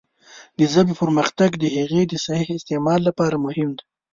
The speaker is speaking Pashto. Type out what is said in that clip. د ژبې پرمختګ د هغې د صحیح استعمال لپاره مهم دی.